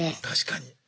確かに。